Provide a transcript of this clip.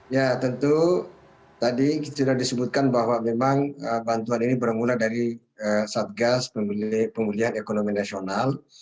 ya tentu tadi sudah disebutkan bahwa memang bantuan ini bermula dari satgas pemulihan ekonomi nasional